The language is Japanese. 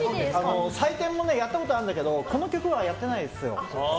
採点もやったことあるんだけどこの曲は、やってないですよ。